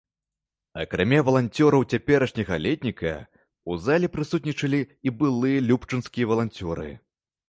Акрамя валанцёраў цяперашняга летніка, у залі прысутнічалі і былыя любчанскія валанцёры.